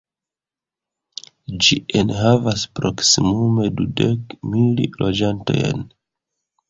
Ĝi enhavas proksimume dudek mil loĝantojn.